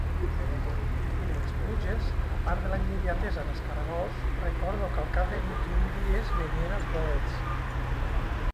I de les pluges, a part de la immediatesa dels caragols, recordo que al cap de vint-i-un dies venien els bolets.